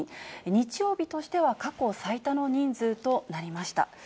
日曜日としては過去最多の人数となりました。